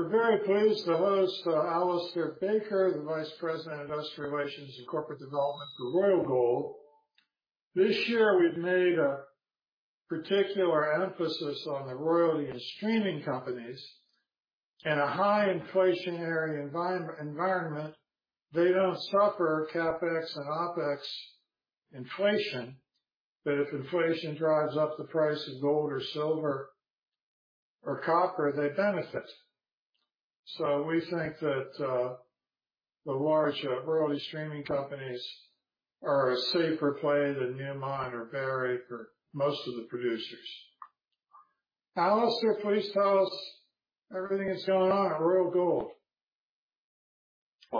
This year, we've made a particular emphasis on the royalty and streaming companies. In a high inflationary environment, they don't suffer CapEx and OpEx inflation, but if inflation drives up the price of gold or silver or copper, they benefit. So we think that the large royalty streaming companies are a safer play than Newmont or Barrick or most of the producers. Alistair, please tell us everything that's going on at Royal Gold.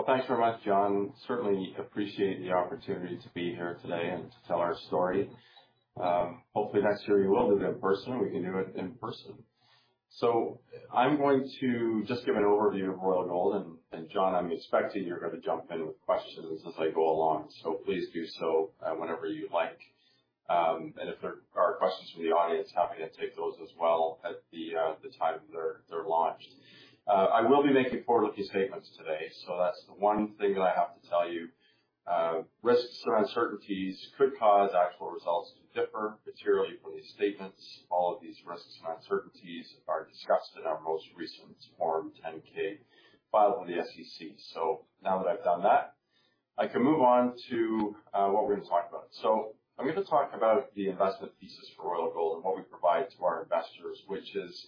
Thanks very much, John. Certainly appreciate the opportunity to be here today and to tell our story. Hopefully, next year you will do it in person, and we can do it in person. I'm going to just give an overview of Royal Gold, and John, I'm expecting you're going to jump in with questions as I go along, so please do so whenever you like. If there are questions from the audience, happy to take those as well at the time they're launched. I will be making forward-looking statements today, so that's the one thing that I have to tell you. Risks and uncertainties could cause actual results to differ materially from these statements. All of these risks and uncertainties are discussed in our most recent Form 10-K file for the SEC. So now that I've done that, I can move on to what we're going to talk about. So I'm going to talk about the investment thesis for Royal Gold and what we provide to our investors, which is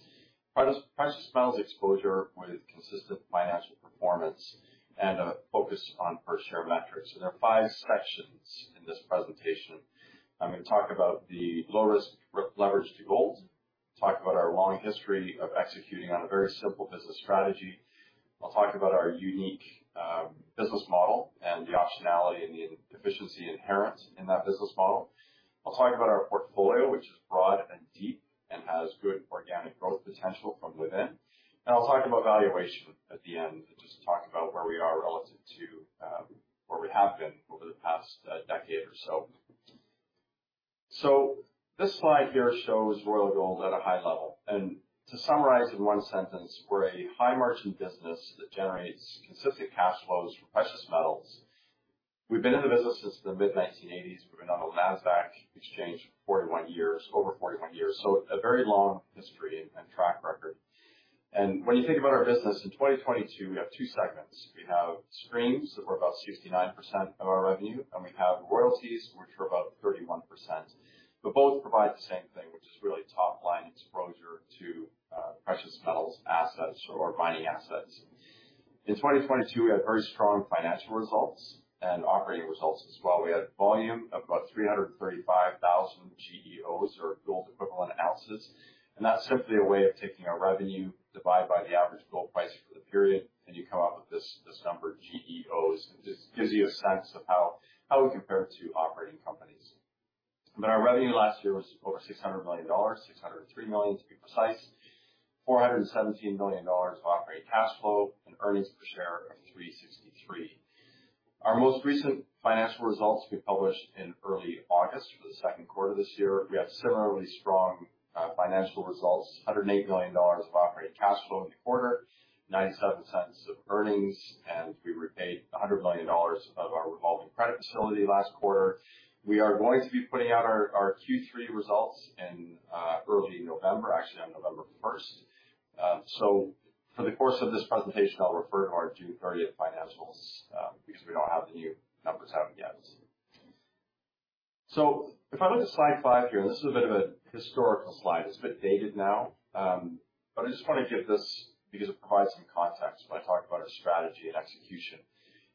precious metals exposure with consistent financial performance and a focus on per-share metrics. And there are five sections in this presentation. I'm going to talk about the low-risk leveraged gold, talk about our long history of executing on a very simple business strategy. I'll talk about our unique business model and the optionality and the efficiency inherent in that business model. I'll talk about our portfolio, which is broad and deep and has good organic growth potential from within. And I'll talk about valuation at the end and just talk about where we are relative to where we have been over the past decade or so. This slide here shows Royal Gold at a high level. And to summarize in one sentence, we're a high-margin business that generates consistent cash flows from precious metals. We've been in the business since the mid-1980s. We've been on the NASDAQ exchange for over 41 years, so a very long history and track record. And when you think about our business, in 2022, we have two segments. We have streams that were about 69% of our revenue, and we have royalties, which were about 31%. But both provide the same thing, which is really top-line exposure to precious metals, assets, or mining assets. In 2022, we had very strong financial results and operating results as well. We had volume of about 335,000 GEOs, or gold-equivalent ounces. That's simply a way of taking our revenue, divide by the average gold price for the period, and you come up with this number, GEOs. It just gives you a sense of how we compare to operating companies. Our revenue last year was over $600 million, $603 million, to be precise, $417 million of operating cash flow, and earnings per share of $3.63. Our most recent financial results we published in early August for the second quarter of this year. We have similarly strong financial results, $108 million of operating cash flow in the quarter, $0.97 of earnings, and we repaid $100 million of our revolving credit facility last quarter. We are going to be putting out our Q3 results in early November, actually on November 1st. So for the course of this presentation, I'll refer to our June 30th financials because we don't have the new numbers out yet. So if I look at slide five here, and this is a bit of a historical slide. It's a bit dated now, but I just want to give this because it provides some context when I talk about our strategy and execution.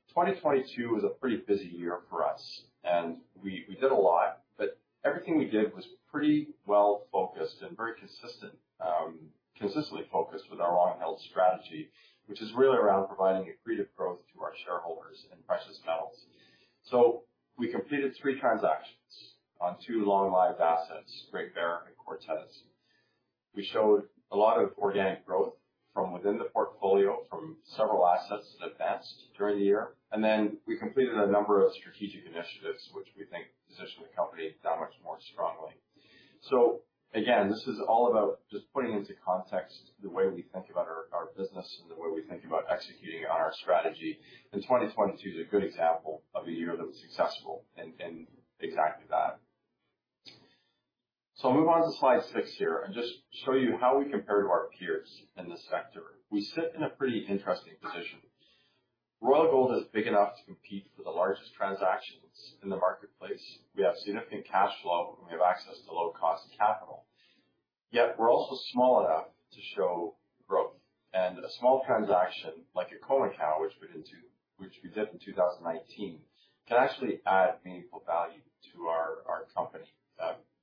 2022 was a pretty busy year for us, and we did a lot, but everything we did was pretty well-focused and very consistently focused with our long-held strategy, which is really around providing accretive growth to our shareholders in precious metals. So we completed three transactions on two long-lived assets, Great Bear and Cortez. We showed a lot of organic growth from within the portfolio, from several assets that advanced during the year. And then we completed a number of strategic initiatives, which we think positioned the company that much more strongly. So again, this is all about just putting into context the way we think about our business and the way we think about executing on our strategy. And 2022 is a good example of a year that was successful in exactly that. So I'll move on to slide six here and just show you how we compare to our peers in this sector. We sit in a pretty interesting position. Royal Gold is big enough to compete for the largest transactions in the marketplace. We have significant cash flow, and we have access to low-cost capital. Yet we're also small enough to show growth. A small transaction like a Khoemacau, which we did in 2019, can actually add meaningful value to our company,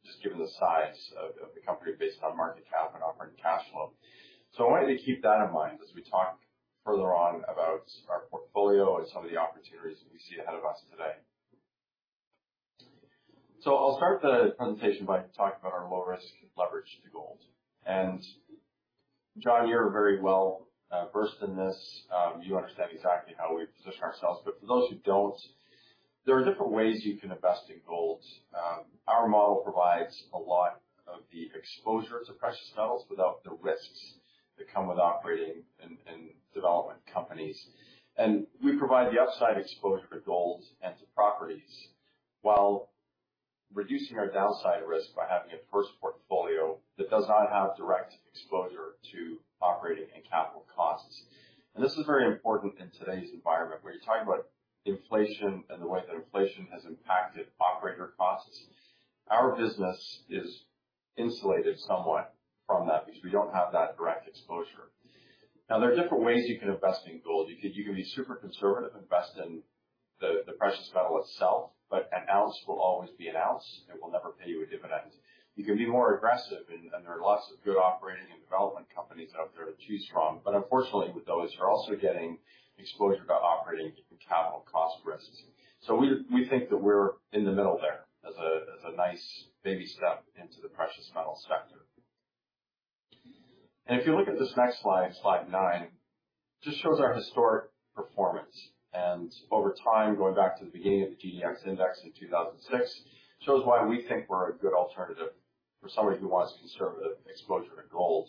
just given the size of the company based on market cap and operating cash flow. I wanted to keep that in mind as we talk further on about our portfolio and some of the opportunities that we see ahead of us today. I'll start the presentation by talking about our low-risk leveraged gold. John, you're very well versed in this. You understand exactly how we position ourselves. For those who don't, there are different ways you can invest in gold. Our model provides a lot of the exposure to precious metals without the risks that come with operating in development companies. And we provide the upside exposure to gold and to properties while reducing our downside risk by having a diverse portfolio that does not have direct exposure to operating and capital costs. And this is very important in today's environment where you're talking about inflation and the way that inflation has impacted operator costs. Our business is insulated somewhat from that because we don't have that direct exposure. Now, there are different ways you can invest in gold. You can be super conservative, invest in the precious metal itself, but an ounce will always be an ounce. It will never pay you a dividend. You can be more aggressive, and there are lots of good operating and development companies out there to choose from. But unfortunately, with those, you're also getting exposure to operating and capital cost risks. So we think that we're in the middle there as a nice baby step into the precious metal sector. And if you look at this next slide, slide nine, it just shows our historic performance. And over time, going back to the beginning of the GDX index in 2006, it shows why we think we're a good alternative for somebody who wants conservative exposure to gold.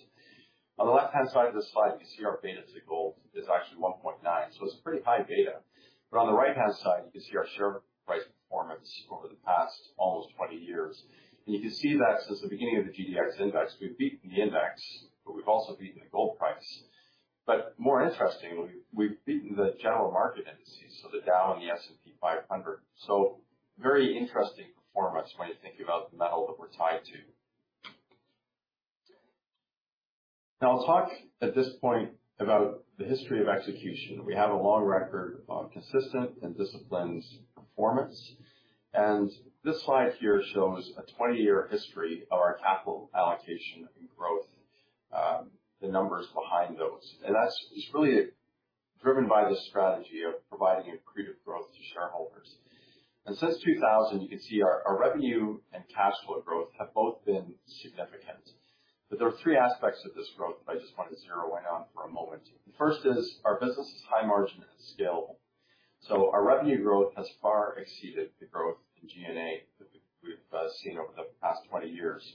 On the left-hand side of this slide, you can see our beta to gold is actually 1.9, so it's a pretty high beta. But on the right-hand side, you can see our share price performance over the past almost 20 years. And you can see that since the beginning of the GDX index, we've beaten the index, but we've also beaten the gold price. But more interesting, we've beaten the general market indices, so the Dow and the S&P 500. So very interesting performance when you think about the metal that we're tied to. Now, I'll talk at this point about the history of execution. We have a long record of consistent and disciplined performance. And this slide here shows a 20-year history of our capital allocation and growth, the numbers behind those. And that's really driven by the strategy of providing accretive growth to shareholders. And since 2000, you can see our revenue and cash flow growth have both been significant. But there are three aspects of this growth that I just want to zero in on for a moment. The first is our business is high-margin and scalable. So our revenue growth has far exceeded the growth in G&A that we've seen over the past 20 years.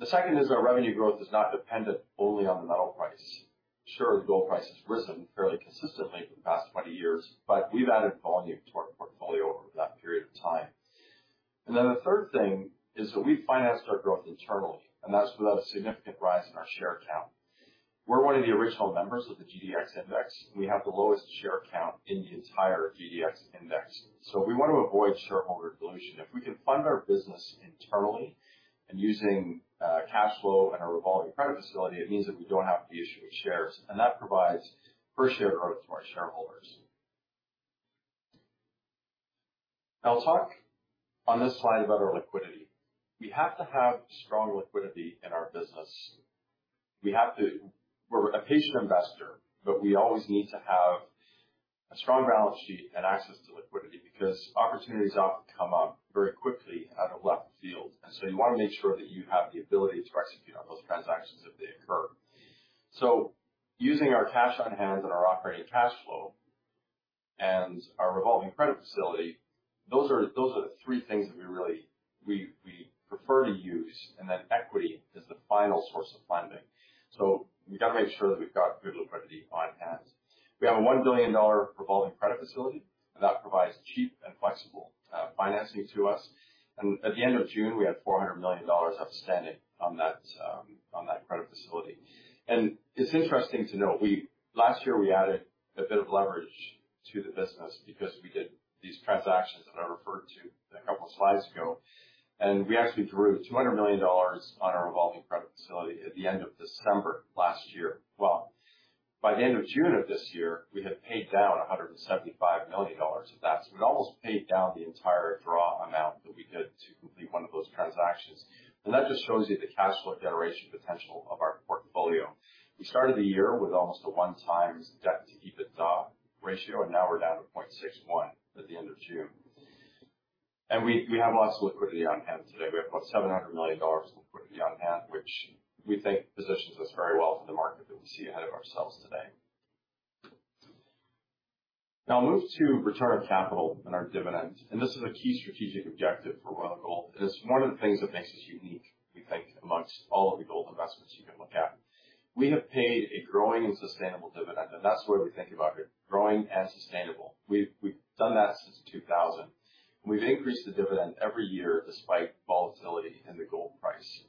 The second is our revenue growth is not dependent only on the metal price. Sure, the gold price has risen fairly consistently for the past 20 years, but we've added volume to our portfolio over that period of time, and then the third thing is that we've financed our growth internally, and that's without a significant rise in our share count, we're one of the original members of the GDX index, and we have the lowest share count in the entire GDX index, so we want to avoid shareholder dilution. If we can fund our business internally and using cash flow and a revolving credit facility, it means that we don't have to be issuing shares, and that provides per-share growth to our shareholders. I'll talk on this slide about our liquidity. We have to have strong liquidity in our business. We're a patient investor, but we always need to have a strong balance sheet and access to liquidity because opportunities often come up very quickly out of left field, and so you want to make sure that you have the ability to execute on those transactions if they occur, so using our cash on hand and our operating cash flow and our revolving credit facility, those are the three things that we prefer to use, and then equity is the final source of funding, so we've got to make sure that we've got good liquidity on hand. We have a $1 billion revolving credit facility, and that provides cheap and flexible financing to us, and at the end of June, we had $400 million outstanding on that credit facility. It's interesting to note, last year, we added a bit of leverage to the business because we did these transactions that I referred to a couple of slides ago. We actually drew $200 million on our revolving credit facility at the end of December last year. By the end of June of this year, we had paid down $175 million. So that we'd almost paid down the entire draw amount that we did to complete one of those transactions. That just shows you the cash flow generation potential of our portfolio. We started the year with almost a 1x debt-to-equity ratio, and now we're down to 0.61 at the end of June. We have lots of liquidity on hand today. We have about $700 million liquidity on hand, which we think positions us very well for the market that we see ahead of ourselves today. Now, I'll move to return on capital and our dividend. And this is a key strategic objective for Royal Gold. It is one of the things that makes us unique, we think, among all of the gold investments you can look at. We have paid a growing and sustainable dividend, and that's the way we think about it, growing and sustainable. We've done that since 2000. And we've increased the dividend every year despite volatility in the gold price.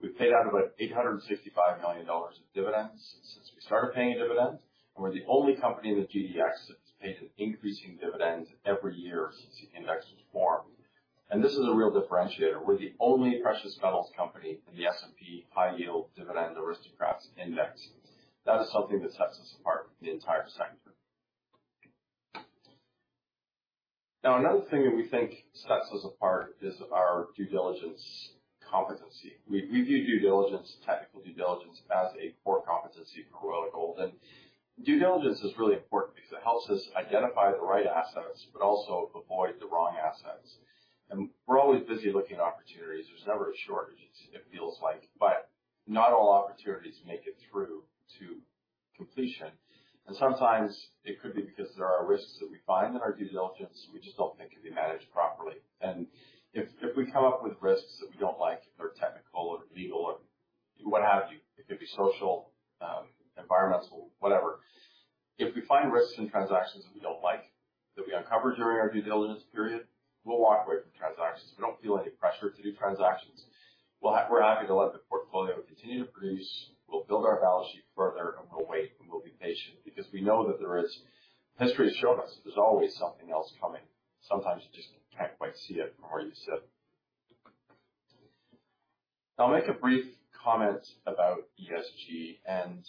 We've paid out about $865 million in dividends since we started paying a dividend. And we're the only company in the GDX that has paid an increasing dividend every year since the index was formed. And this is a real differentiator. We're the only precious metals company in the S&P High Yield Dividend Aristocrats Index. That is something that sets us apart from the entire sector. Now, another thing that we think sets us apart is our due diligence competency. We view due diligence, technical due diligence, as a core competency for Royal Gold. And due diligence is really important because it helps us identify the right assets, but also avoid the wrong assets. And we're always busy looking at opportunities. There's never a shortage, it feels like. But not all opportunities make it through to completion. And sometimes it could be because there are risks that we find in our due diligence we just don't think can be managed properly. And if we come up with risks that we don't like, if they're technical or legal or what have you, it could be social, environmental, whatever, if we find risks in transactions that we don't like that we uncover during our due diligence period, we'll walk away from transactions. We don't feel any pressure to do transactions. We're happy to let the portfolio continue to produce. We'll build our balance sheet further, and we'll wait, and we'll be patient because we know history has shown us there's always something else coming. Sometimes you just can't quite see it from where you sit. I'll make a brief comment about ESG, and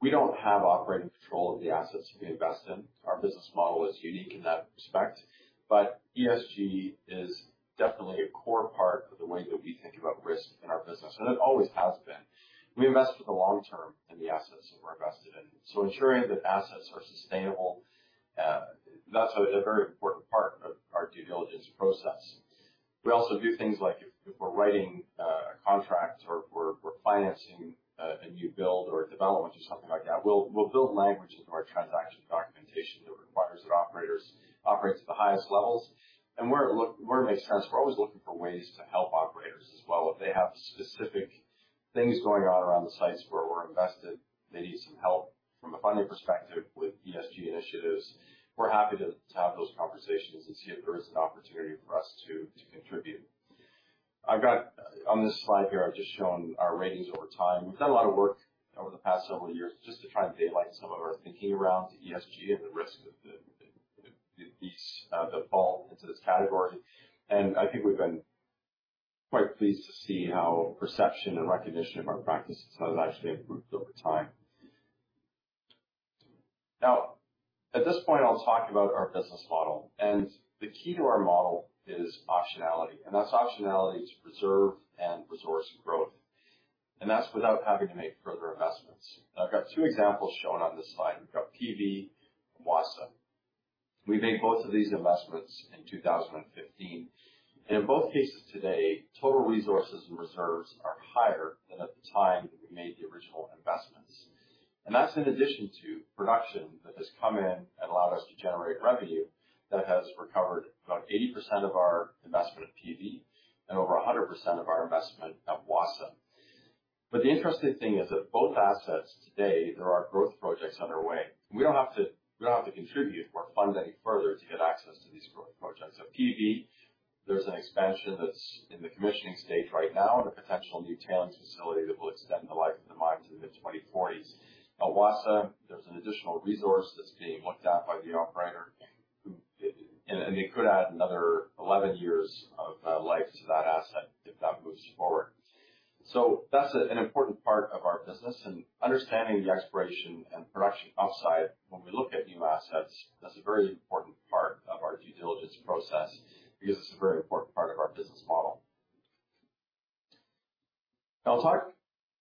we don't have operating control of the assets we invest in. Our business model is unique in that respect, but ESG is definitely a core part of the way that we think about risk in our business, and it always has been. We invest for the long term in the assets that we're invested in, so ensuring that assets are sustainable, that's a very important part of our due diligence process. We also do things like if we're writing a contract or if we're financing a new build or a development or something like that, we'll build language into our transaction documentation that requires that operators operate at the highest levels, and where it makes sense, we're always looking for ways to help operators as well. If they have specific things going on around the sites where we're invested, they need some help from a funding perspective with ESG initiatives. We're happy to have those conversations and see if there is an opportunity for us to contribute. On this slide here, I've just shown our ratings over time. We've done a lot of work over the past several years just to try and daylight some of our thinking around ESG and the risk of these that fall into this category. I think we've been quite pleased to see how perception and recognition of our practices has actually improved over time. Now, at this point, I'll talk about our business model. The key to our model is optionality. That's optionality to preserve and resource growth. That's without having to make further investments. I've got two examples shown on this slide. We've got PV and Wassa. We made both of these investments in 2015. In both cases today, total resources and reserves are higher than at the time that we made the original investments. That's in addition to production that has come in and allowed us to generate revenue that has recovered about 80% of our investment at PV and over 100% of our investment at Wassa. The interesting thing is that both assets today, there are growth projects underway. We don't have to contribute or fund any further to get access to these growth projects. At PV, there's an expansion that's in the commissioning stage right now and a potential new tailings facility that will extend the life of the mine to the mid-2040s. At Wassa, there's an additional resource that's being looked at by the operator. And they could add another 11 years of life to that asset if that moves forward. So that's an important part of our business. And understanding the expiration and production upside when we look at new assets, that's a very important part of our due diligence process because it's a very important part of our business model. I'll talk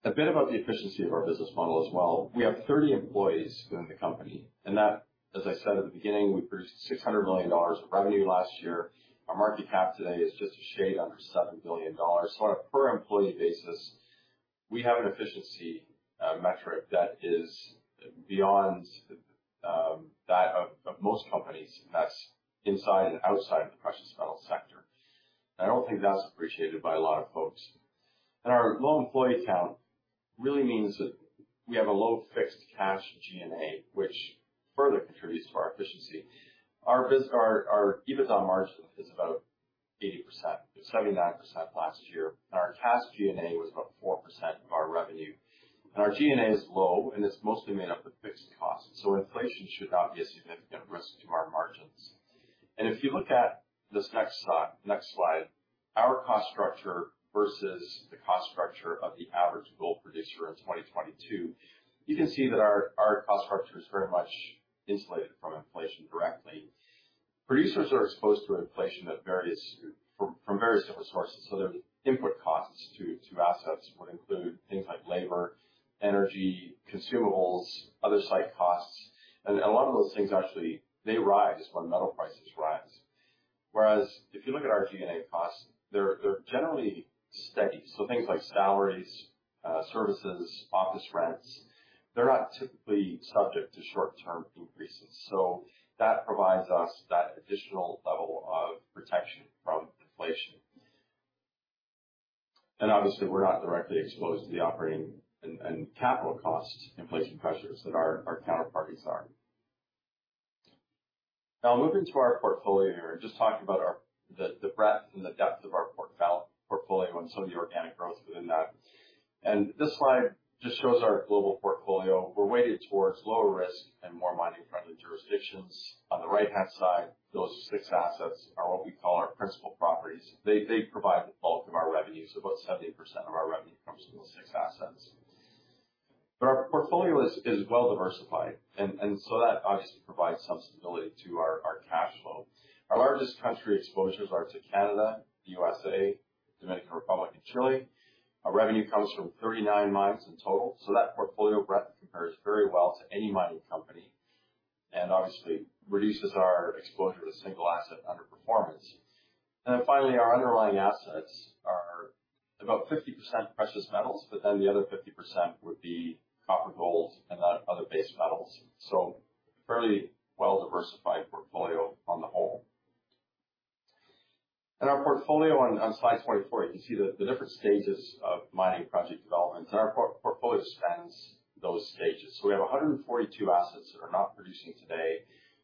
a bit about the efficiency of our business model as well. We have 30 employees within the company. And that, as I said at the beginning, we produced $600 million of revenue last year. Our market cap today is just a shade under $7 billion. So on a per-employee basis, we have an efficiency metric that is beyond that of most companies that's inside and outside of the precious metal sector. And I don't think that's appreciated by a lot of folks. And our low employee count really means that we have a low fixed cash G&A, which further contributes to our efficiency. Our EBITDA margin is about 80%, 79% last year. And our cash G&A was about 4% of our revenue. And our G&A is low, and it's mostly made up of fixed costs. So inflation should not be a significant risk to our margins. And if you look at this next slide, our cost structure versus the cost structure of the average gold producer in 2022, you can see that our cost structure is very much insulated from inflation directly. Producers are exposed to inflation from various different sources. So their input costs to assets would include things like labor, energy, consumables, other site costs. And a lot of those things actually, they rise when metal prices rise. Whereas if you look at our G&A costs, they're generally steady. So things like salaries, services, office rents, they're not typically subject to short-term increases. So that provides us that additional level of protection from inflation. And obviously, we're not directly exposed to the operating and capital costs inflation pressures that our counterparties are. Now, I'll move into our portfolio here and just talk about the breadth and the depth of our portfolio and some of the organic growth within that, and this slide just shows our global portfolio. We're weighted towards lower risk and more mining-friendly jurisdictions. On the right-hand side, those six assets are what we call our principal properties. They provide the bulk of our revenue, so about 70% of our revenue comes from those six assets, but our portfolio is well-diversified, and so that obviously provides some stability to our cash flow. Our largest country exposures are to Canada, the USA, Dominican Republic, and Chile. Our revenue comes from 39 mines in total, so that portfolio breadth compares very well to any mining company and obviously reduces our exposure to single asset underperformance. Then finally, our underlying assets are about 50% precious metals, but then the other 50% would be copper gold and other base metals. So fairly well-diversified portfolio on the whole. In our portfolio on slide 24, you can see the different stages of mining project development. Our portfolio spans those stages. We have 142 assets that are not producing today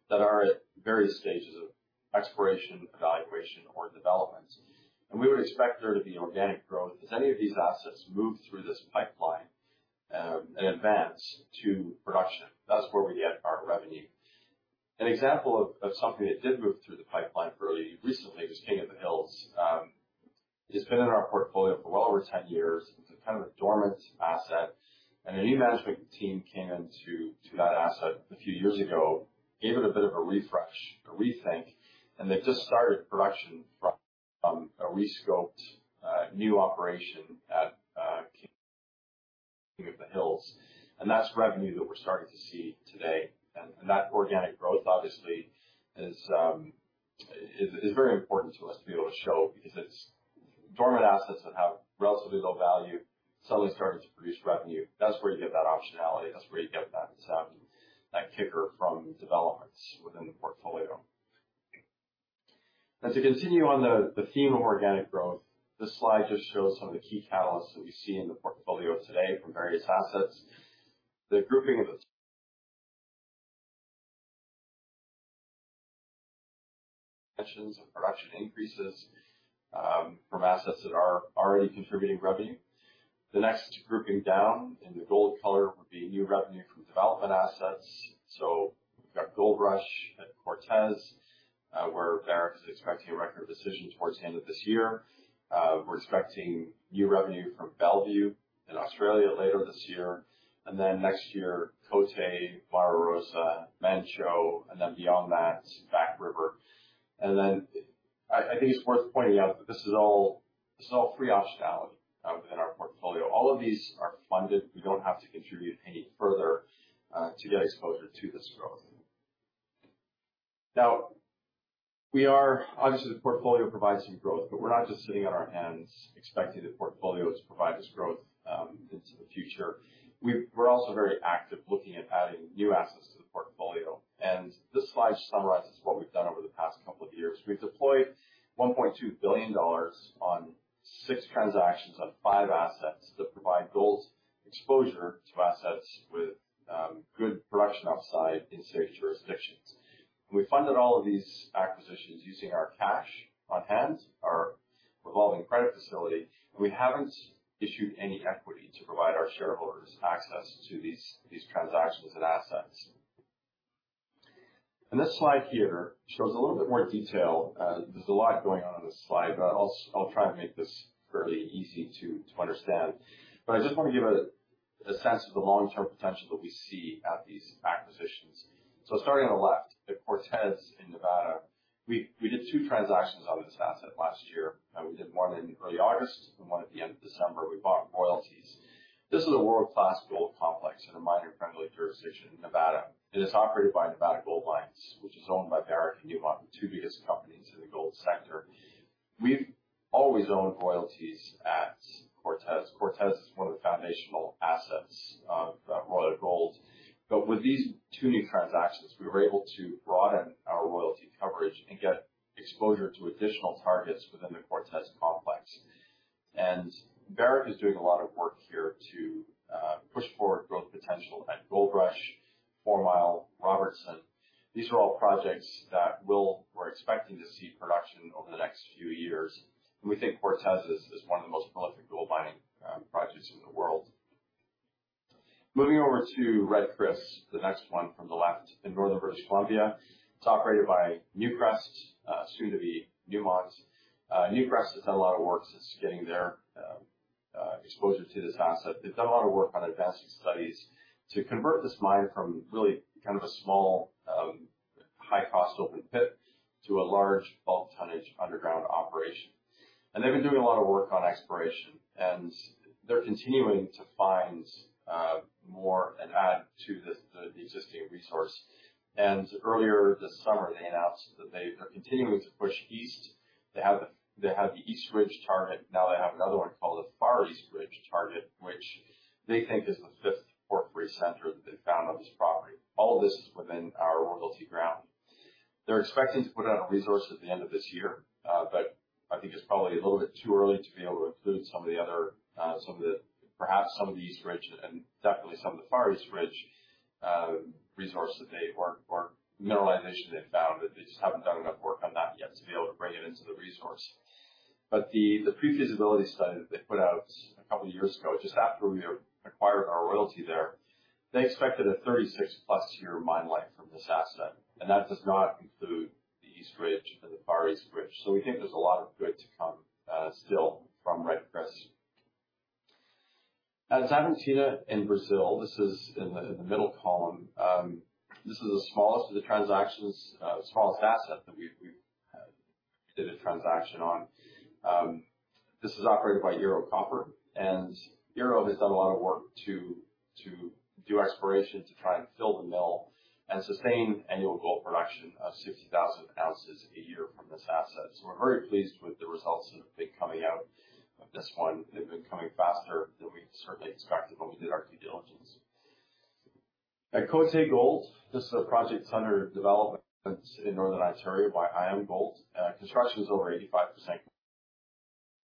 that are at various stages of exploration, evaluation, or development. We would expect there to be organic growth as any of these assets move through this pipeline and advance to production. That's where we get our revenue. An example of something that did move through the pipeline fairly recently was King of the Hills. It's been in our portfolio for well over 10 years. It's kind of a dormant asset. And a new management team came into that asset a few years ago, gave it a bit of a refresh, a rethink. And they've just started production from a rescoped new operation at King of the Hills. And that's revenue that we're starting to see today. And that organic growth, obviously, is very important to us to be able to show because it's dormant assets that have relatively low value, suddenly starting to produce revenue. That's where you get that optionality. That's where you get that kicker from developments within the portfolio. And to continue on the theme of organic growth, this slide just shows some of the key catalysts that we see in the portfolio today from various assets. The grouping of the dimensions of production increases from assets that are already contributing revenue. The next grouping down in the gold color would be new revenue from development assets. So we've got Goldrush at Cortez, where Barrick is expecting a Record of Decision towards the end of this year. We're expecting new revenue from Bellevue in Australia later this year. And then next year, Côté, Mara Rosa, Manh Choh, and then beyond that, Back River. And then I think it's worth pointing out that this is all free optionality within our portfolio. All of these are funded. We don't have to contribute any further to get exposure to this growth. Now, we are obviously the portfolio provides some growth, but we're not just sitting on our hands expecting the portfolio to provide us growth into the future. We're also very active looking at adding new assets to the portfolio. And this slide summarizes what we've done over the past couple of years. We've deployed $1.2 billion on six transactions on five assets that provide gold exposure to assets with good production upside in safe jurisdictions. And we funded all of these acquisitions using our cash on hand, our revolving credit facility. And we haven't issued any equity to provide our shareholders access to these transactions and assets. And this slide here shows a little bit more detail. There's a lot going on this slide, but I'll try and make this fairly easy to understand. But I just want to give a sense of the long-term potential that we see at these acquisitions. So starting on the left, at Cortez in Nevada, we did two transactions out of this asset last year. We did one in early August and one at the end of December. We bought royalties. This is a world-class gold complex in a mining-friendly jurisdiction in Nevada. It's operated by Nevada Gold Mines, which is owned by Barrick and Newmont, the two biggest companies in the gold sector. We've always owned royalties at Cortez. Cortez is one of the foundational assets of Royal Gold. With these two new transactions, we were able to broaden our royalty coverage and get exposure to additional targets within the Cortez complex. Barrick is doing a lot of work here to push forward growth potential at Goldrush, Fourmile, Robertson. These are all projects that we're expecting to see production over the next few years. We think Cortez is one of the most prolific gold mining projects in the world. Moving over to Red Chris, the next one from the left in Northern British Columbia. It's operated by Newcrest, soon to be Newmont. Newcrest has done a lot of work since getting their exposure to this asset. They've done a lot of work on advancing studies to convert this mine from really kind of a small high-cost open pit to a large bulk tonnage underground operation. And they've been doing a lot of work on exploration. And they're continuing to find more and add to the existing resource. And earlier this summer, they announced that they're continuing to push east. They have the East Ridge Target. Now they have another one called the Far East Ridge Target, which they think is the fifth porphyry center that they found on this property. All of this is within our royalty ground. They're expecting to put out a resource at the end of this year, but I think it's probably a little bit too early to be able to include some of the other, perhaps some of the East Ridge and definitely some of the Far East Ridge resource that they or mineralization they've found that they just haven't done enough work on that yet to be able to bring it into the resource, but the pre-feasibility study that they put out a couple of years ago, just after we acquired our royalty there, they expected a 36+ year mine life from this asset, and that does not include the East Ridge and the Far East Ridge, so we think there's a lot of good to come still from Red Chris. Now, Xavantina in Brazil, this is in the middle column. This is the smallest of the transactions, the smallest asset that we've done a transaction on. This is operated by Ero Copper, and Ero has done a lot of work to do exploration to try and fill the mill and sustain annual gold production of 60,000 ounces a year from this asset, so we're very pleased with the results that have been coming out of this one. They've been coming faster than we certainly expected when we did our due diligence. At Côté Gold, this is a project under development in Northern Ontario by IAMGOLD. Construction is over 85%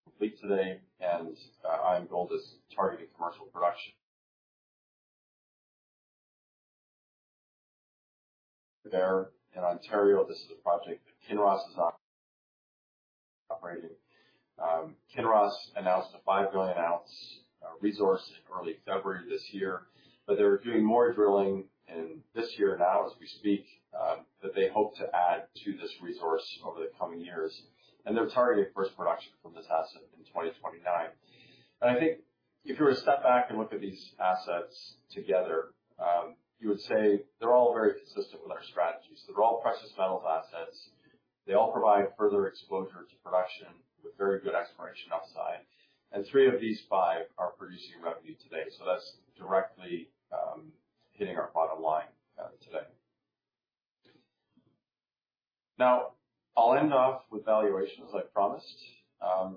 complete today, and IAMGOLD is targeting commercial production. There in Ontario, this is a project that Kinross is operating. Kinross announced a 5 billion ounce resource in early February this year. But they're doing more drilling this year now as we speak that they hope to add to this resource over the coming years. And they're targeting first production from this asset in 2029. And I think if you were to step back and look at these assets together, you would say they're all very consistent with our strategies. They're all precious metals assets. They all provide further exposure to production with very good exploration upside. And three of these five are producing revenue today. So that's directly hitting our bottom line today. Now, I'll end off with valuations, as I promised.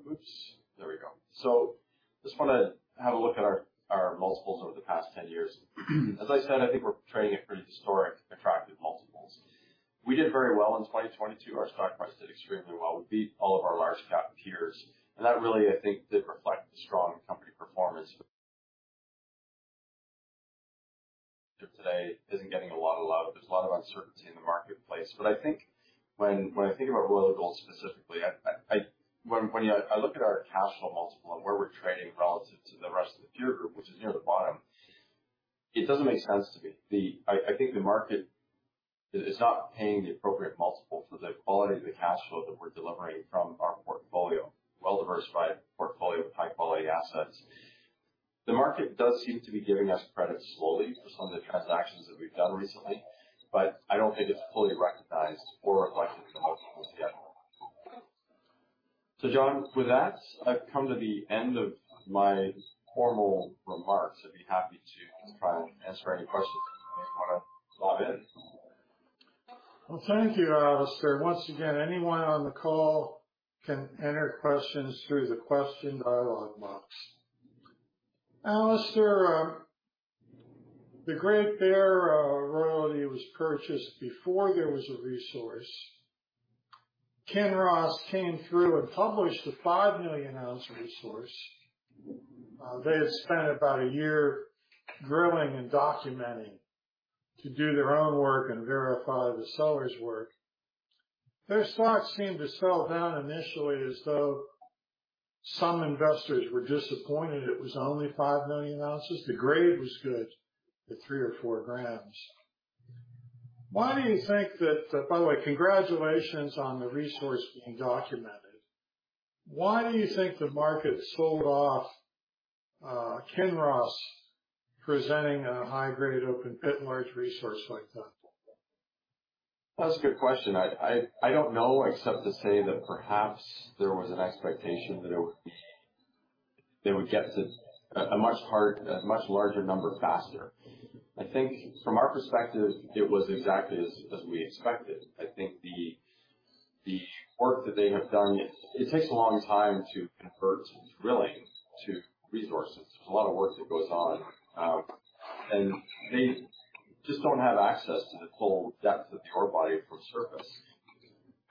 Oops, there we go. So I just want to have a look at our multiples over the past 10 years. As I said, I think we're trading at pretty historic attractive multiples. We did very well in 2022. Our stock price did extremely well. We beat all of our large cap peers, and that really, I think, did reflect the strong company performance. Today isn't getting a lot of love. There's a lot of uncertainty in the marketplace, but I think when I think about Royal Gold specifically, when I look at our cash flow multiple and where we're trading relative to the rest of the peer group, which is near the bottom, it doesn't make sense to me. I think the market is not paying the appropriate multiple for the quality of the cash flow that we're delivering from our portfolio, well-diversified portfolio with high-quality assets. The market does seem to be giving us credit slowly for some of the transactions that we've done recently, but I don't think it's fully recognized or reflected in the multiple yet, so, John, with that, I've come to the end of my formal remarks. I'd be happy to try and answer any questions if anyone want to lob in. Well, thank you, Alistair. Once again, anyone on the call can enter questions through the question dialog box. Alistair, the Great Bear Royalty was purchased before there was a resource. Kinross came through and published a five million ounce resource. They had spent about a year drilling and documenting to do their own work and verify the seller's work. Their stock seemed to sell down initially as though some investors were disappointed it was only five million ounces. The grade was good at three or four grams. Why do you think that? By the way, congratulations on the resource being documented. Why do you think the market sold off Kinross presenting a high-grade open pit and large resource like that? That's a good question. I don't know except to say that perhaps there was an expectation that they would get to a much larger number faster. I think from our perspective, it was exactly as we expected. I think the work that they have done. It takes a long time to convert drilling to resources. There's a lot of work that goes on, and they just don't have access to the full depth of the ore body from surface.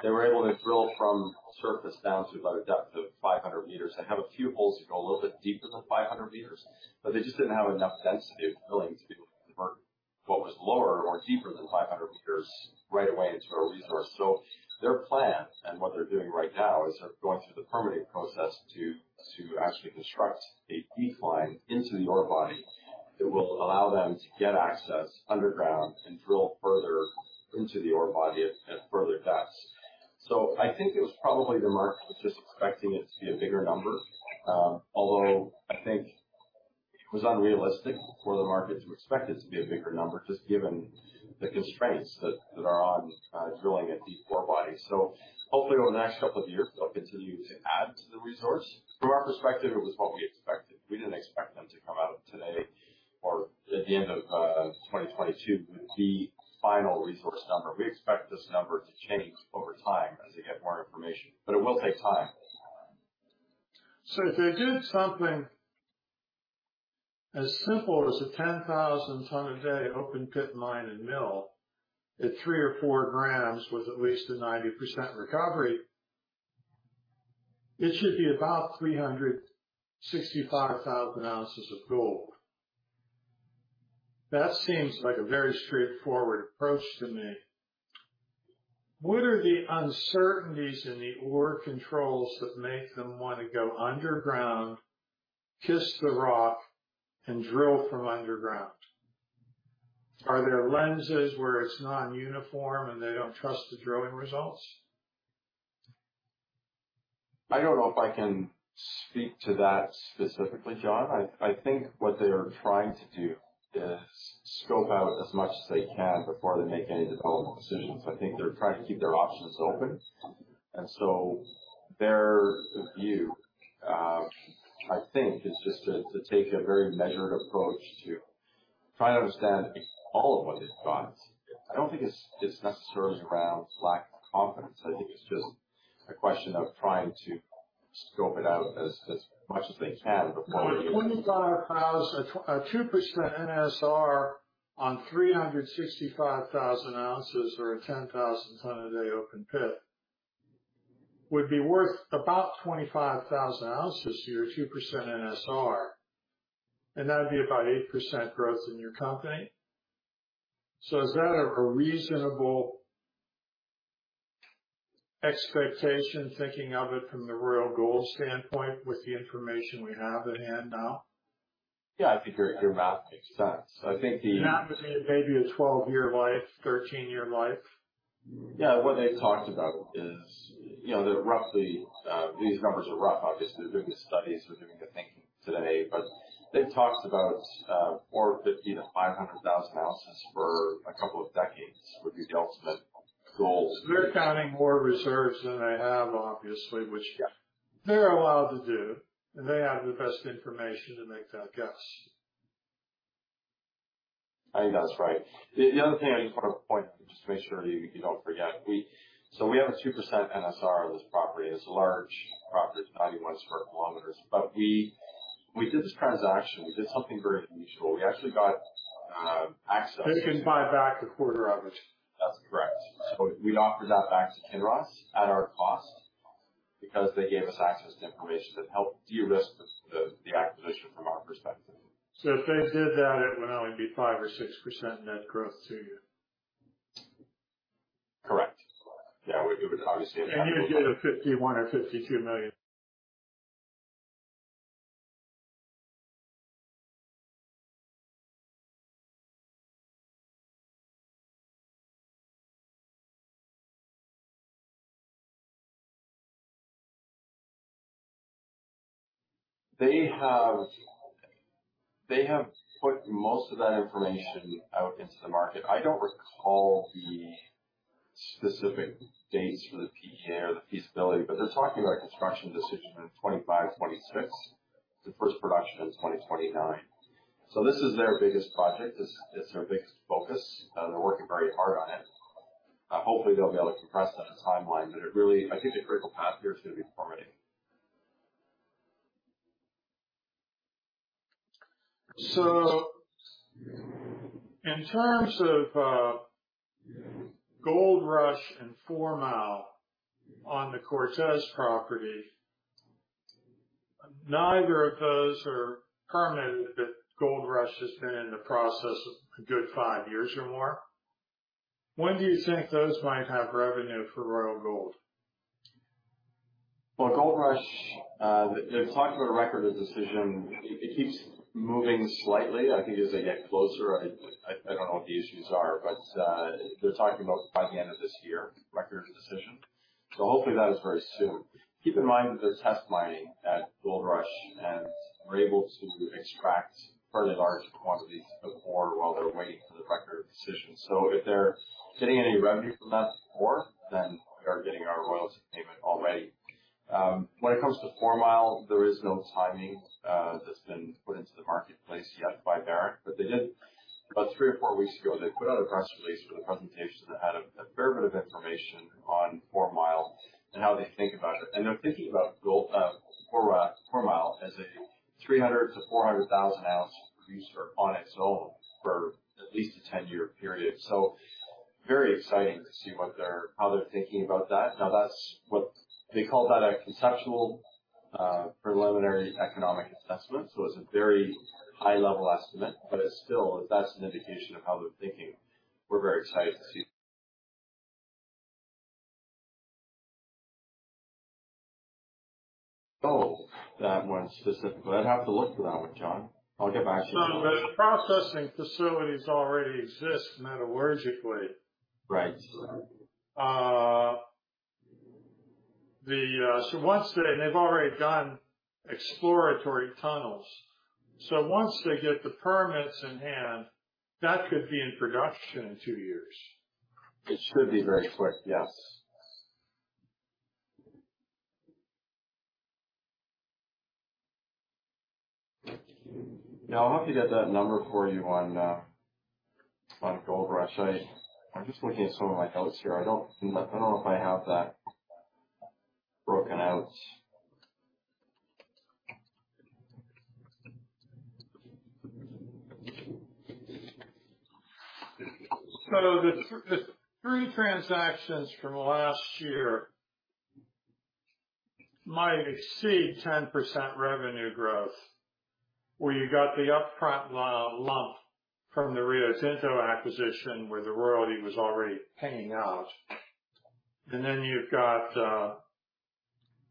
They were able to drill from surface down to about a depth of 500 meters. They have a few holes that go a little bit deeper than 500 meters, but they just didn't have enough density of drilling to be able to convert what was lower or deeper than 500 meters right away into a resource. So their plan and what they're doing right now is they're going through the permitting process to actually construct a decline into the ore body that will allow them to get access underground and drill further into the ore body at further depths. So I think it was probably the market was just expecting it to be a bigger number, although I think it was unrealistic for the market to expect it to be a bigger number just given the constraints that are on drilling at deep ore bodies. So hopefully over the next couple of years, they'll continue to add to the resource. From our perspective, it was what we expected. We didn't expect them to come out today or at the end of 2022 with the final resource number. We expect this number to change over time as they get more information. But it will take time. So if they did something as simple as a 10,000-ton-a-day open pit mine and mill at three or four grams with at least a 90% recovery, it should be about 365,000 ounces of gold. That seems like a very straightforward approach to me. What are the uncertainties in the ore controls that make them want to go underground, kiss the rock, and drill from underground? Are there lenses where it's non-uniform and they don't trust the drilling results? I don't know if I can speak to that specifically, John. I think what they are trying to do is scope out as much as they can before they make any development decisions. I think they're trying to keep their options open. And so their view, I think, is just to take a very measured approach to try and understand all of what they've got. I don't think it's necessarily around lack of confidence. I think it's just a question of trying to scope it out as much as they can before they even. When you've got a 2% NSR on 365,000 ounces or a 10,000-ton-a-day open pit, it would be worth about 25,000 ounces to your 2% NSR. And that would be about 8% growth in your company. So is that a reasonable expectation, thinking of it from the Royal Gold standpoint with the information we have at hand now? Yeah, I think your math makes sense. I think the. And that would be maybe a 12-year life, 13-year life? Yeah, what they've talked about is roughly these numbers are rough, obviously. They're doing the studies. They're doing the thinking today. But they've talked about 450,000 ounces-500,000 ounces for a couple of decades would be the ultimate goal. They're counting more reserves than they have, obviously, which they're allowed to do. And they have the best information to make that guess. I think that's right. The other thing I just want to point out just to make sure you don't forget. So we have a 2% NSR on this property. It's a large property. It's 91 sq km. But we did this transaction. We did something very unusual. We actually got access. They can buy back a quarter of it. That's correct. So we offered that back to Kinross at our cost because they gave us access to information that helped de-risk the acquisition from our perspective. So if they did that, it would only be 5% or 6% net growth to you. Correct. Yeah, it would obviously. And you would get a $51 million or $52 million. They have put most of that information out into the market. I don't recall the specific dates for the PEA or the feasibility. But they're talking about a construction decision in 2025, 2026. The first production in 2029. So this is their biggest project. It's their biggest focus. They're working very hard on it. Hopefully, they'll be able to compress that in a timeline. But I think the critical path here is going to be permitting. So in terms of Goldrush and Fourmile on the Cortez property, neither of those are permitted, but Goldrush has been in the process of a good five years or more. When do you think those might have revenue for Royal Gold? Well, Goldrush, they've talked about a Record of Decision. It keeps moving slightly. I think as they get closer, I don't know what the issues are. They're talking about by the end of this year, Record of Decision. So hopefully, that is very soon. Keep in mind that they're test mining at Goldrush and were able to extract fairly large quantities of ore while they're waiting for the Record of Decision. So if they're getting any revenue from that ore, then they are getting our royalty payment already. When it comes to Fourmile, there is no timing that's been put into the marketplace yet by Barrick. But about three or four weeks ago, they put out a press release with a presentation that had a fair bit of information on Fourmile and how they think about it. And they're thinking about Fourmile as a 300,000 ounces-400,000-ounce producer on its own for at least a 10-year period. So very exciting to see how they're thinking about that. Now, they called that a conceptual preliminary economic assessment. So it's a very high-level estimate. But still, that's an indication of how they're thinking. We're very excited to see. Oh, that one specifically. I'd have to look for that one, John. I'll get back to you. No, but the processing facilities already exist metallurgically. So once they, and they've already done exploratory tunnels. So once they get the permits in hand, that could be in production in two years. It should be very quick, yes. Now, I'll have to get that number for you on Goldrush. I'm just looking at some of my notes here. I don't know if I have that broken out. So the three transactions from last year might exceed 10% revenue growth where you got the upfront lump from the Rio Tinto acquisition where the royalty was already paying out. And then you've got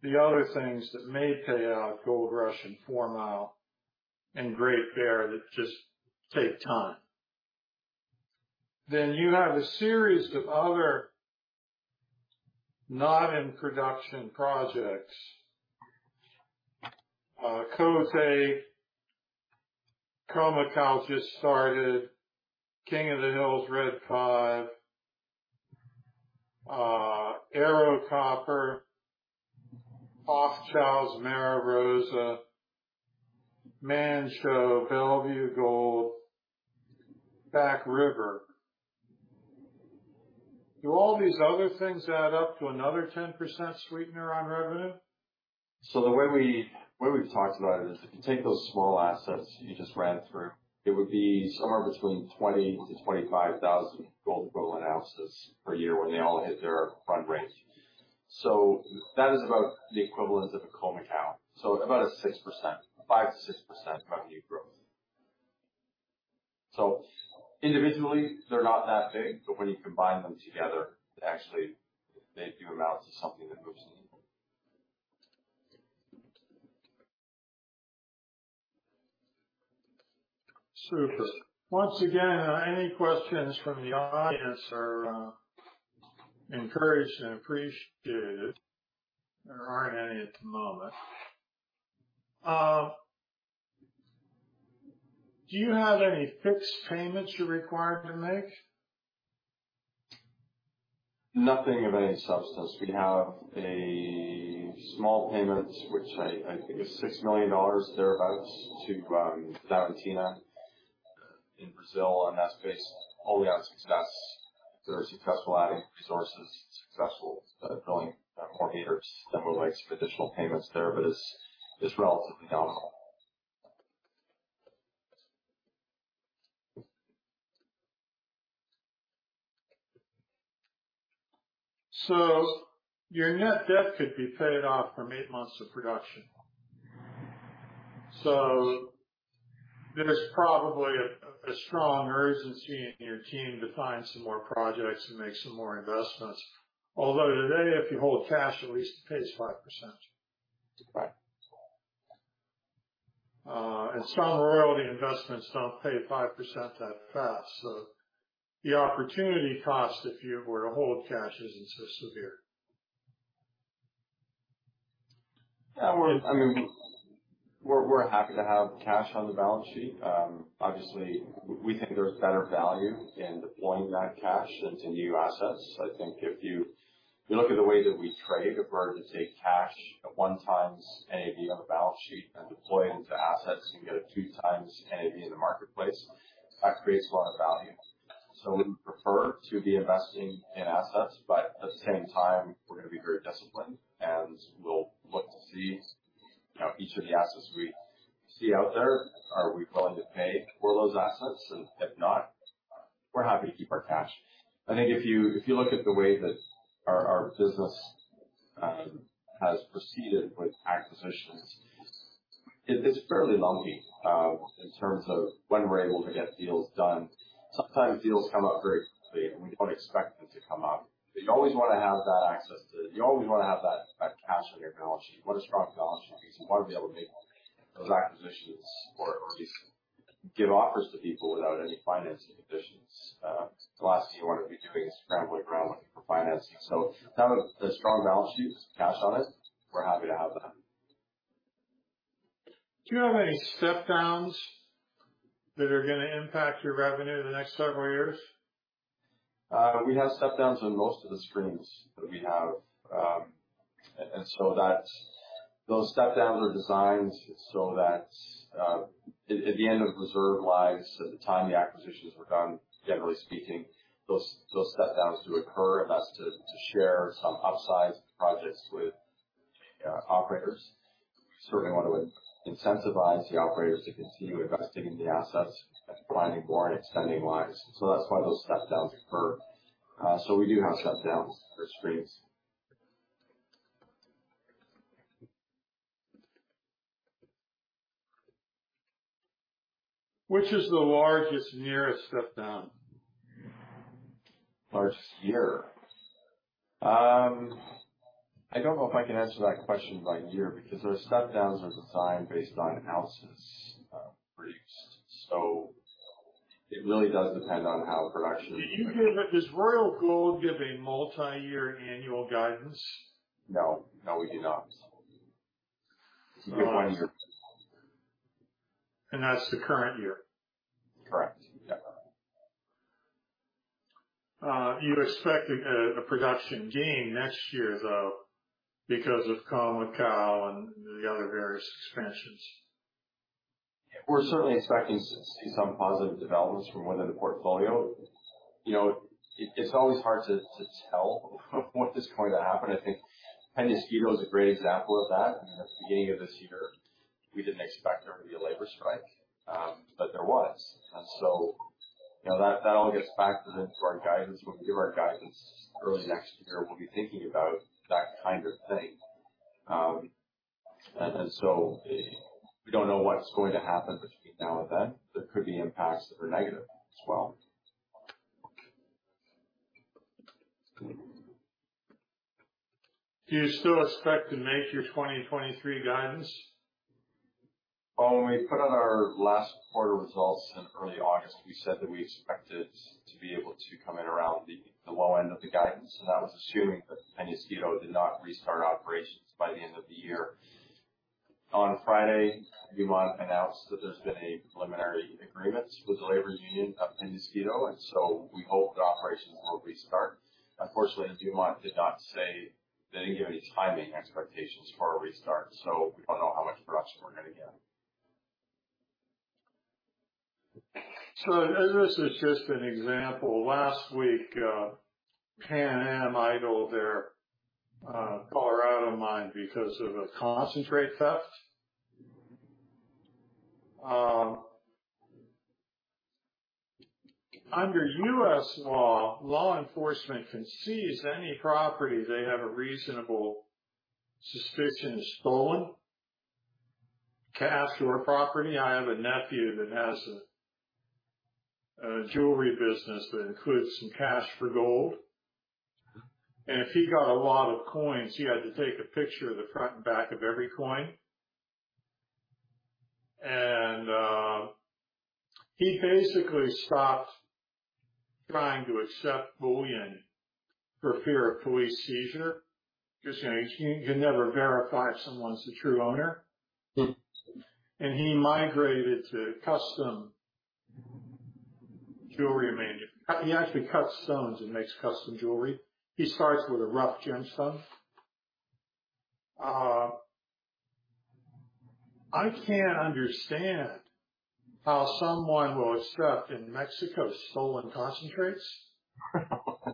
the other things that may pay out, Goldrush and Fourmile and Great Bear, that just take time. Then you have a series of other not-in-production projects. Côté, Khoemacau just started, King of the Hills Red 5, Ero Copper, Hochschild Mara Rosa, Manh Choh, Bellevue Gold, Back River. Do all these other things add up to another 10% sweetener on revenue? So the way we've talked about it is if you take those small assets you just ran through, it would be somewhere between 20,000-25,000 gold equivalent ounces per year when they all hit their run range. So that is about the equivalent of a Khoemacau. So about a 5%-6% revenue growth. So individually, they're not that big. But when you combine them together, actually, they do amount to something that moves the needle. Super. Once again, any questions from the audience are encouraged and appreciated. There aren't any at the moment. Do you have any fixed payments you're required to make? Nothing of any substance. We have a small payment, which I think is $6 million thereabouts to Xavantina in Brazil. And that's based only on success. They're successful adding resources and successful drilling more meters. Then we'll make some additional payments there. But it's relatively nominal. So your net debt could be paid off from eight months of production. So there's probably a strong urgency in your team to find some more projects and make some more investments. Although today, if you hold cash, at least it pays 5%. And some royalty investments don't pay 5% that fast. So the opportunity cost if you were to hold cash isn't so severe. Yeah, I mean, we're happy to have cash on the balance sheet. Obviously, we think there's better value in deploying that cash into new assets. I think if you look at the way that we trade, if we're to take cash at one time's NAV on the balance sheet and deploy it into assets and get a two-time's NAV in the marketplace, that creates a lot of value, so we would prefer to be investing in assets, but at the same time, we're going to be very disciplined, and we'll look to see each of the assets we see out there, are we willing to pay for those assets? And if not, we're happy to keep our cash. I think if you look at the way that our business has proceeded with acquisitions, it's fairly lumpy in terms of when we're able to get deals done. Sometimes deals come up very quickly, and we don't expect them to come up. You always want to have that access to cash on your balance sheet. You want a strong balance sheet because you want to be able to make those acquisitions or at least give offers to people without any financing conditions. The last thing you want to be doing is scrambling around looking for financing. So now that the strong balance sheet has cash on it, we're happy to have that. Do you have any step-downs that are going to impact your revenue in the next several years? We have step-downs on most of the streams that we have. And so those step-downs are designed so that at the end of reserve life, at the time the acquisitions were done, generally speaking, those step-downs do occur. And that's to share some upside projects with operators. We certainly want to incentivize the operators to continue investing in the assets and finding more and extending lines. And so that's why those step-downs occur. So we do have step-downs for streams. Which is the largest nearest step-down? Largest year? I don't know if I can answer that question by year because our step-downs are designed based on ounces produced. So it really does depend on how production is. Does Royal Gold give a multi-year annual guidance? No. No, we do not. It's a good one year. And that's the current year? Correct. Yeah. You expect a production gain next year, though, because of Khoemacau and the other various expansions? We're certainly expecting to see some positive developments from within the portfolio. It's always hard to tell what is going to happen. I think Peñasquito is a great example of that. At the beginning of this year, we didn't expect there would be a labor strike, but there was, and so that all gets factored into our guidance. When we give our guidance early next year, we'll be thinking about that kind of thing, and so we don't know what's going to happen between now and then. There could be impacts that are negative as well. Do you still expect to make your 2023 guidance? Well, when we put out our last quarter results in early August, we said that we expected to be able to come in around the low end of the guidance, and that was assuming that Peñasquito did not restart operations by the end of the year. On Friday, Newmont announced that there's been a preliminary agreement with the labor union of Peñasquito, and so we hope that operations will restart. Unfortunately, Newmont did not say they didn't give any timing expectations for a restart. So we don't know how much production we're going to get. So this is just an example. Last week, Pan Am idled their Colorado mine because of a concentrate theft. Under U.S. law, law enforcement concedes any property they have a reasonable suspicion is stolen, cash or property. I have a nephew that has a jewelry business that includes some cash for gold. And if he got a lot of coins, he had to take a picture of the front and back of every coin. And he basically stopped trying to accept bullion for fear of police seizure because you can never verify if someone's the true owner. And he migrated to custom jewelry manufacturing. He actually cuts stones and makes custom jewelry. He starts with a rough gemstone. I can't understand how someone will accept in Mexico stolen concentrates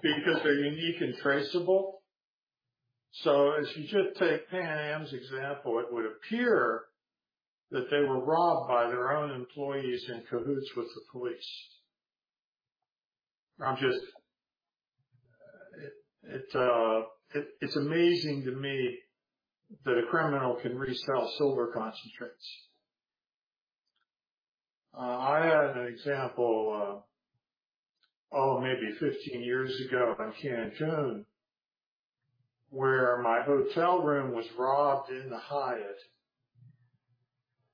because they're unique and traceable, so if you just take Pan Am's example, it would appear that they were robbed by their own employees in cahoots with the police. It's amazing to me that a criminal can resell silver concentrates. I had an example, oh, maybe 15 years ago in Cancún, where my hotel room was robbed in the Hyatt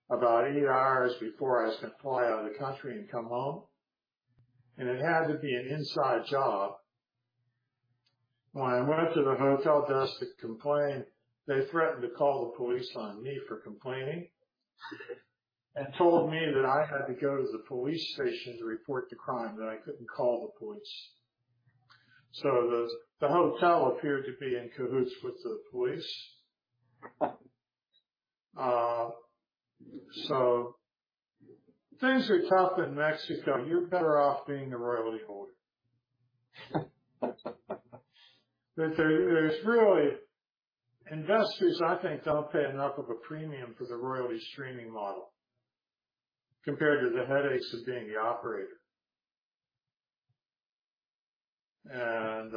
about eight hours before I was going to fly out of the country and come home, and it had to be an inside job. When I went to the hotel desk to complain, they threatened to call the police on me for complaining and told me that I had to go to the police station to report the crime, that I couldn't call the police, so the hotel appeared to be in cahoots with the police. So things are tough in Mexico. You're better off being the royalty holder. There's really investors I think don't pay enough of a premium for the royalty streaming model compared to the headaches of being the operator. And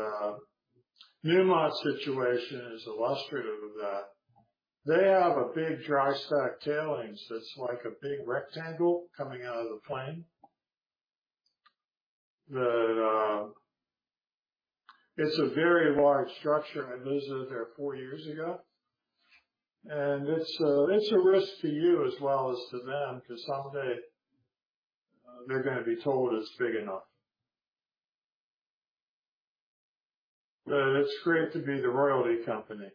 Newmont's situation is illustrative of that. They have a big dry stack tailings that's like a big rectangle coming out of the plain. It's a very large structure. I visited there four years ago. And it's a risk to you as well as to them because someday they're going to be told it's big enough. But it's great to be the royalty company.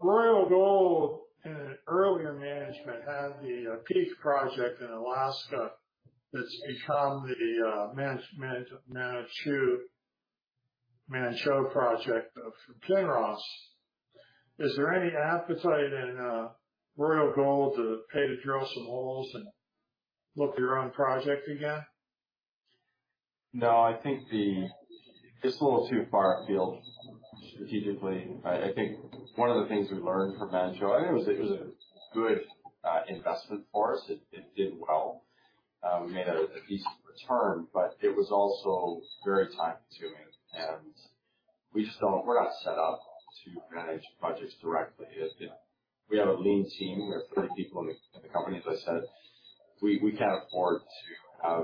Royal Gold and earlier management had the Peak project in Alaska that's become the Manh Choh project from Kinross. Is there any appetite in Royal Gold to pay to drill some holes and look at your own project again? No, I think it's a little too far afield strategically. I think one of the things we learned from Manh Choh, I think it was a good investment for us. It did well. It made a decent return. But it was also very time-consuming. And we're not set up to manage projects directly. We have a lean team. We have 30 people in the company. As I said, we can't afford to have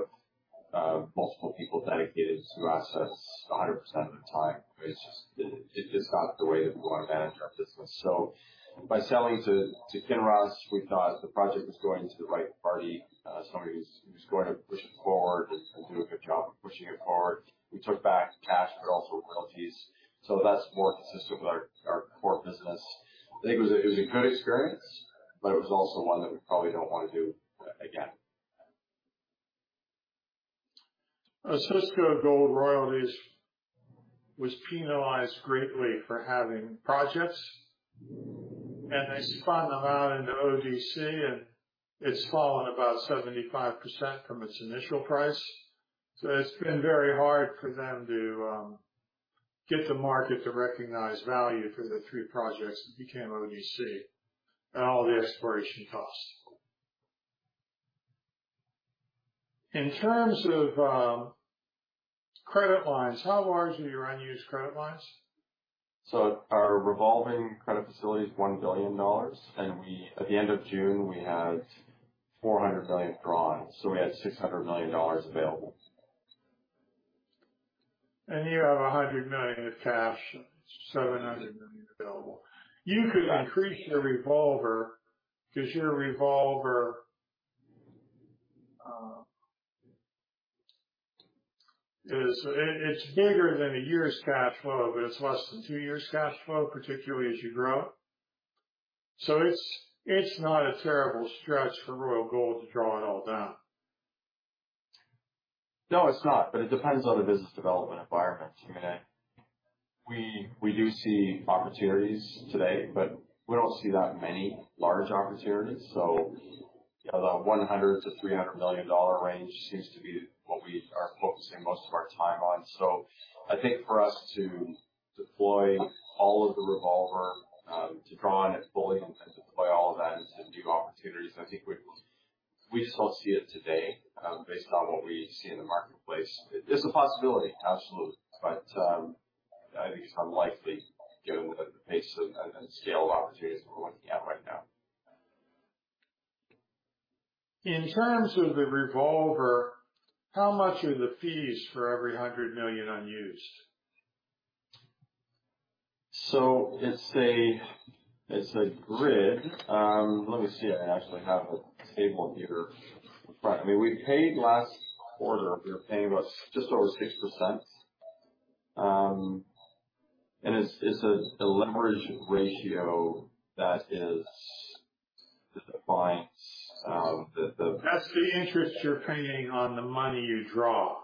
multiple people dedicated to assets 100% of the time. It's just not the way that we want to manage our business. So by selling to Kinross, we thought the project was going to the right party, somebody who's going to push it forward and do a good job of pushing it forward. We took back cash, but also royalties. So that's more consistent with our core business. I think it was a good experience. But it was also one that we probably don't want to do again. Osisko Gold Royalties was penalized greatly for having projects, and they spun them out into ODV, and it's fallen about 75% from its initial price, so it's been very hard for them to get the market to recognize value for the three projects that became ODV and all the exploration costs. In terms of credit lines, how large are your unused credit lines? So our revolving credit facility is $1 billion, and at the end of June, we had $400 million drawn, so we had $600 million available. And you have $100 million of cash and $700 million available. You could increase your revolver because your revolver is. It's bigger than a year's cash flow, but it's less than two years' cash flow, particularly as you grow, so it's not a terrible stretch for Royal Gold to draw it all down. No, it's not. But it depends on the business development environment. I mean, we do see opportunities today. But we don't see that many large opportunities. So the $100 million-$300 million range seems to be what we are focusing most of our time on. So I think for us to deploy all of the revolver, to draw on it fully and deploy all of that into new opportunities, I think we just don't see it today based on what we see in the marketplace. It's a possibility. Absolutely. But I think it's unlikely given the pace and scale of opportunities that we're looking at right now. In terms of the revolver, how much are the fees for every $100 million unused? So it's a grid. Let me see. I actually have a table here in front. I mean, we paid last quarter. We were paying just over 6%. It's a leverage ratio that is the definition of the. That's the interest you're paying on the money you draw.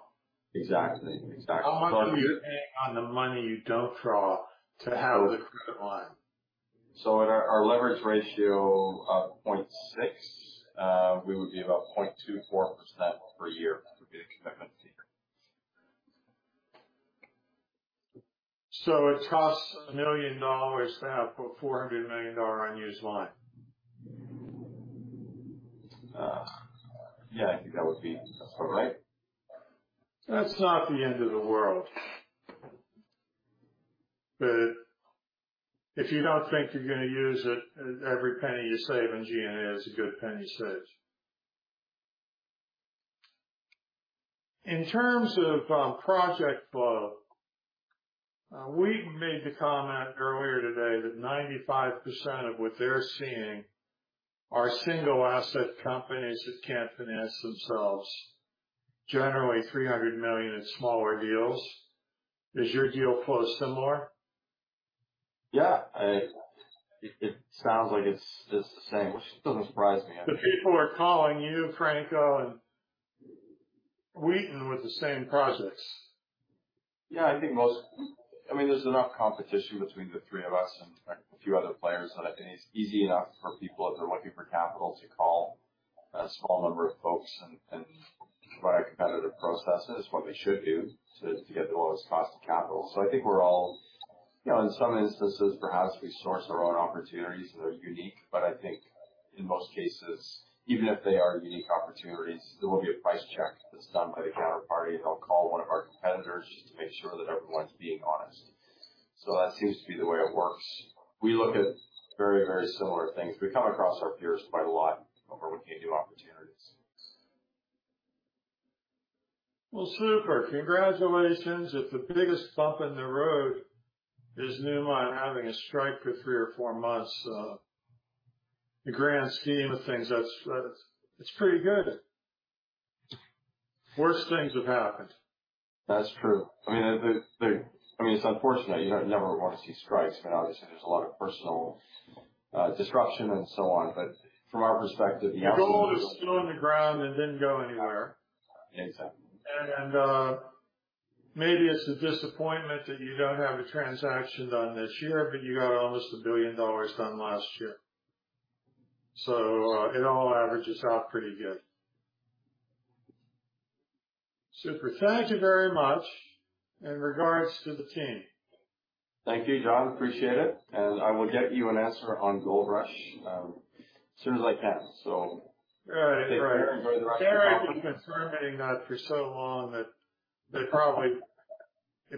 Exactly. Exactly. How much are you paying on the money you don't draw to have the credit line? So at our leverage ratio of 0.6, we would be about 0.24% per year would be the commitment fee. So it costs $1 million to have a $400 million unused line? Yeah, I think that would be about right. That's not the end of the world. But if you don't think you're going to use it, every penny you save in G&A is a good penny saved. In terms of project flow, we made the comment earlier today that 95% of what they're seeing are single-asset companies that can't finance themselves, generally $300 million in smaller deals. Is your deal flow similar? Yeah. It sounds like it's the same, which doesn't surprise me. The people are calling you, Franco, and Wheaton with the same projects. Yeah, I think most, I mean, there's enough competition between the three of us and a few other players that I think it's easy enough for people if they're looking for capital to call a small number of folks and provide a competitive process and it's what they should do to get the lowest cost of capital. So I think we're all in some instances, perhaps we source our own opportunities that are unique. But I think in most cases, even if they are unique opportunities, there will be a price check that's done by the counterparty. And they'll call one of our competitors just to make sure that everyone's being honest. So that seems to be the way it works. We look at very, very similar things. We come across our peers quite a lot over when they do opportunities. Well, super. Congratulations. If the biggest bump in the road is Newmont having a strike for three or four months, in the grand scheme of things, it's pretty good. Worse things have happened. That's true. I mean, it's unfortunate. You never want to see strikes. I mean, obviously, there's a lot of personal disruption and so on. But from our perspective, the opportunity. The gold is still in the ground and didn't go anywhere. Exactly. And maybe it's a disappointment that you don't have a transaction done this year, but you got almost $1 billion done last year. So it all averages out pretty good. Super. Thank you very much in regards to the team. Thank you, John. Appreciate it. And I will get you an answer on Goldrush as soon as I can. So. All right. Take care. Enjoy the rest of your day. Very confirming that for so long that it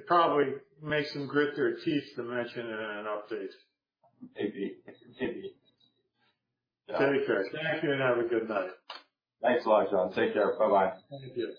probably makes them grit their teeth to mention it in an update. It did. Take care. Thank you and have a good night. Thanks a lot, John. Take care. Bye-bye. Thank you.